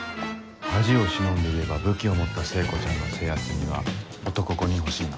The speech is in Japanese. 恥を忍んで言えば武器を持った聖子ちゃんの制圧には男５人欲しいな。